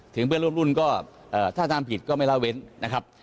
เพื่อนร่วมรุ่นก็ถ้าทำผิดก็ไม่ละเว้นนะครับ